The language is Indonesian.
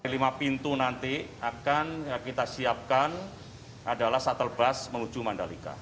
lima pintu nanti akan kita siapkan adalah shuttle bus menuju mandalika